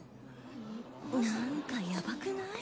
なんかやばくない？